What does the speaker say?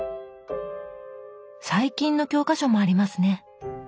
最近の教科書もありますね。